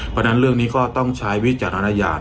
เพราะฉะนั้นเรื่องนี้ก็ต้องใช้วิจารณญาณ